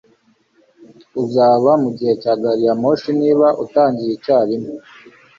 Uzaba mugihe cya gari ya moshi niba utangiye icyarimwe.